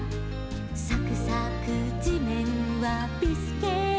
「さくさくじめんはビスケット」